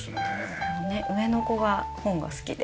上の子が本が好きで。